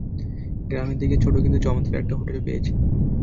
গ্রামের দিকে ছোট কিন্তু চমৎকার একটা হোটেল পেয়েছি।